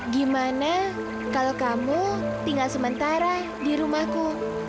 gimana kalau kamu tinggal sementara di rumahku